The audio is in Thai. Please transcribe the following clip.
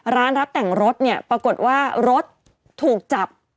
รับแต่งรถเนี่ยปรากฏว่ารถถูกจับ